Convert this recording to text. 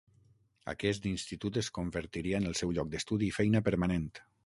Aquest institut es convertiria en el seu lloc d'estudi i feina permanent.